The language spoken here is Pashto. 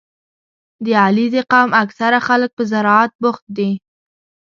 • د علیزي قوم اکثره خلک په زراعت بوخت دي.